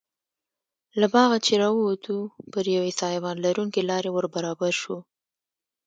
له باغه چې راووتو پر یوې سایبان لرونکې لارې وربرابر شوو.